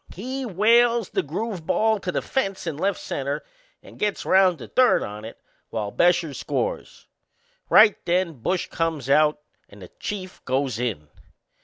He whales the groove ball to the fence in left center and gets round to third on it, while Bescher scores. Right then Bush comes out and the Chief goes in.